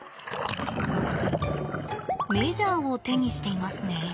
メジャーを手にしていますね。